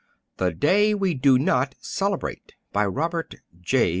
THE DAY WE DO NOT CELEBRATE BY ROBERT J.